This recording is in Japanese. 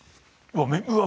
うわ！